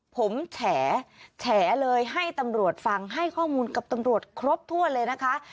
ผมแฉเลยให้ตำรวจฟังให้ข้อมูลกับตำรวจครบถ้วนเลยนะคะ